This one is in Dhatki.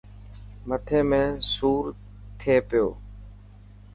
مٿي ۾ سور ٿي پيو.